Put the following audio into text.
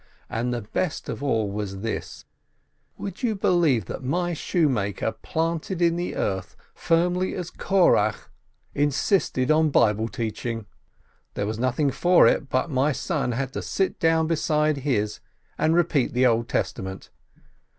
And the best of all was this — would you believe that my shoemaker, planted in the earth firmly as Korah, insisted on Bible teaching? There was nothing for it but my son had to sit down beside his, and repeat the Old Testament.